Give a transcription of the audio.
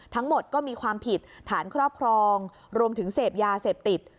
ทั้งหมดก็มีความผิดฐานครอบครองรวมถึงเสพยาเสพติด